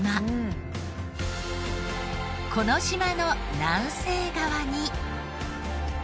この島の南西側に。